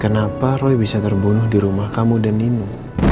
kenapa roy bisa terbunuh di rumah kamu dan ninu